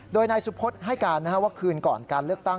โดยนายสุพธให้การว่าคืนก่อนการเลือกตั้ง